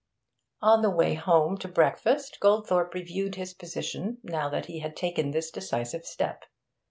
On the way home to breakfast Goldthorpe reviewed his position now that he had taken this decisive step.